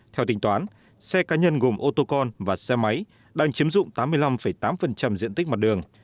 theo tính toán xe cá nhân gồm ô tô con và xe máy đang chiếm dụng tám mươi năm tám diện tích mặt đường